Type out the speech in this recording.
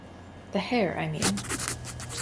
The hair, I mean.